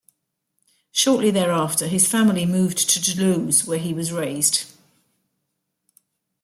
Shortly thereafter, his family moved to Toulouse, where he was raised.